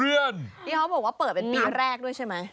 นี่เขาบอกว่าเปิดเป็นปีแรกด้วยใช่ไหม